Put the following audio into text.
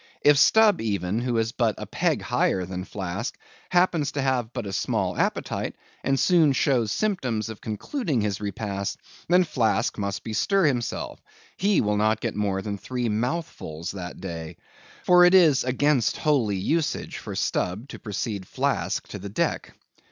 If Stubb even, who is but a peg higher than Flask, happens to have but a small appetite, and soon shows symptoms of concluding his repast, then Flask must bestir himself, he will not get more than three mouthfuls that day; for it is against holy usage for Stubb to precede Flask to the deck.